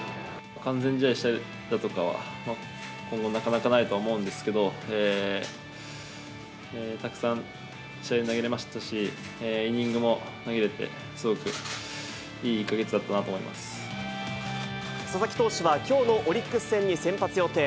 完全試合だとかは、今後、なかなかないとは思うんですけど、たくさん試合で投げれましたし、イニングも投げれて、すごくいい佐々木投手は、きょうのオリックス戦に先発予定。